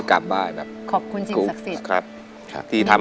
ขอบคุณสุขบ้าง